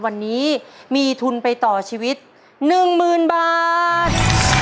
วันนี้มีทุนไปต่อชีวิตหนึ่งหมื่นบาท